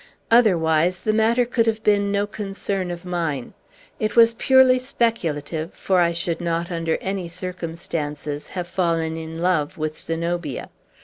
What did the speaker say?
Otherwise, the matter could have been no concern of mine. It was purely speculative, for I should not, under any circumstances, have fallen in love with Zenobia.